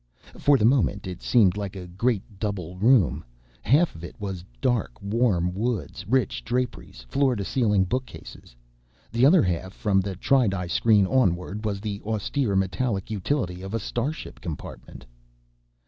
For the moment, it seemed like a great double room: half of it was dark, warm woods, rich draperies, floor to ceiling bookcases. The other half, from the tri di screen onward, was the austere, metallic utility of a starship compartment.